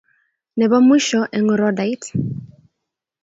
Ne bo mwisho eng orodait.